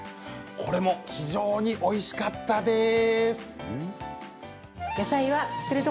これも非常においしかったです。